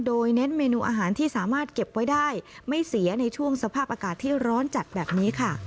โดยเน้นเมนูอาหารที่สามารถเก็บไว้ได้ไม่เสียในช่วงสภาพอากาศที่ร้อนจัดแบบนี้ค่ะ